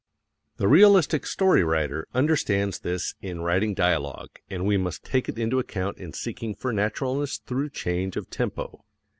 The realistic story writer understands this in writing dialogue, and we must take it into account in seeking for naturalness through change of tempo.